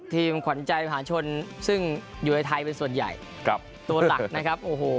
ขวัญใจมหาชนซึ่งอยู่ในไทยเป็นส่วนใหญ่ครับตัวหลักนะครับโอ้โห